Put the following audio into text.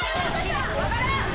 分からん！